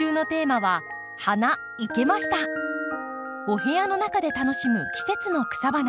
お部屋の中で楽しむ季節の草花